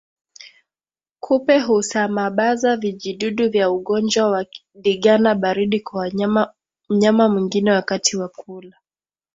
Kupe husamabaza vijidudu vya ugonjwa wa ndigana baridi kwa mnyama mwingine wakati wa kula